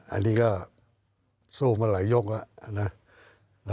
อันนี้ก็สู้มาหลายยกแล้วนะ